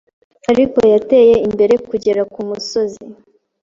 Ariko yateye imbere kugera kumusozi